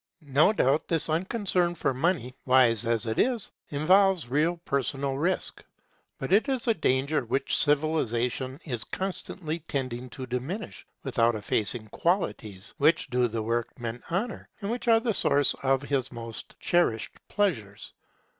No doubt this unconcern for money, wise as it is, involves real personal risk; but it is a danger which civilization is constantly tending to diminish, without effacing qualities which do the workman honour, and which are the source of his most cherished pleasures.